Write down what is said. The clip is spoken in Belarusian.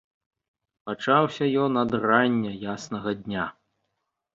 Пачаўся ён ад рання яснага дня.